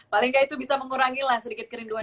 paling gak itu bisa mengurangi lah sedikit kerinduan